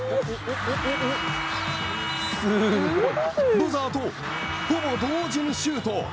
ブザーとほぼ同時にシュート！